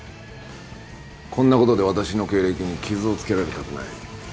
こんなことで私の経歴に傷を付けられたくない。